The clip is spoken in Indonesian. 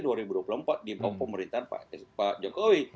di pemerintahan pak jokowi